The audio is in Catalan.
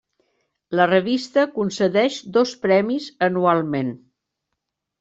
La revista concedeix dos premis anualment.